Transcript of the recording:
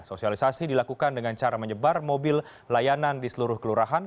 sosialisasi dilakukan dengan cara menyebar mobil layanan di seluruh kelurahan